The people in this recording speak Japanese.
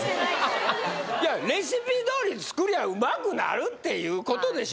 いやレシピどおり作りゃうまくなるっていうことでしょ